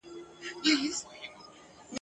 اغزي که تخم د سروګلونو !.